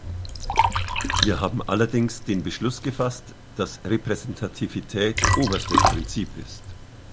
Wir haben allerdings den Beschluss gefasst, dass Repräsentativität oberstes Prinzip ist.